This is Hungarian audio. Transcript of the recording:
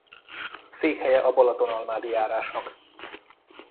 Székhelye a Balatonalmádi járásnak.